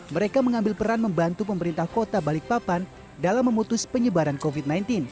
mereka mengambil peran membantu pemerintah kota balikpapan dalam memutus penyebaran covid sembilan belas